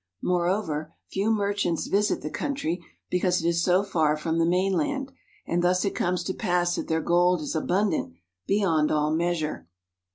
Moreover], few merchants visit the country because it is so far from the main land, and thus it comes to pass that their gold is abundant beyond all measure.